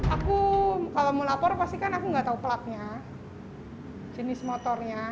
aku kalau mau lapor pasti kan aku nggak tahu platnya jenis motornya